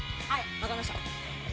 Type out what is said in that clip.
分かりました。